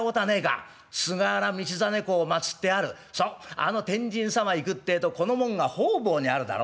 あの天神様行くってえとこの紋が方々にあるだろ？